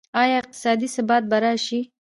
آیا اقتصادي ثبات به راشي؟